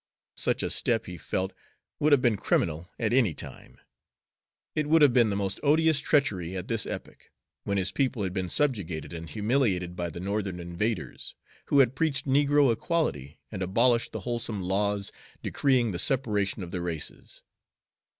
Such a step, he felt, would have been criminal at any time; it would have been the most odious treachery at this epoch, when his people had been subjugated and humiliated by the Northern invaders, who had preached negro equality and abolished the wholesome laws decreeing the separation of the races.